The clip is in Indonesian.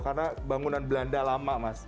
karena bangunan belanda lama mas